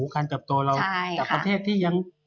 การเติบโตเราจากประเทศที่ยัง